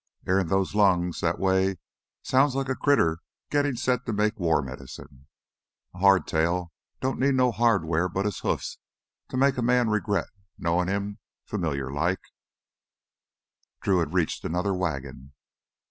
"Airin' th' lungs that way sounds like a critter gittin' set to make war medicine. A hardtail don't need no hardware but his hoofs to make a man regret knowin' him familiar like " Drew had reached another wagon.